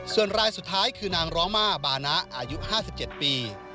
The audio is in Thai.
ส่วนรายสุดท้ายคือนางร้องมาบานะอายุ๕๗ปี